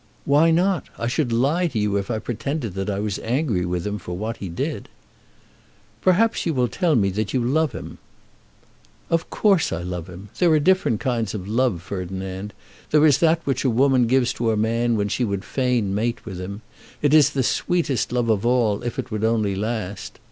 "Why not? I should lie to you if I pretended that I was angry with him for what he did." "Perhaps you will tell me that you love him." "Of course I love him. There are different kinds of love, Ferdinand. There is that which a woman gives to a man when she would fain mate with him. It is the sweetest love of all, if it would only last.